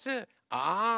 ああ！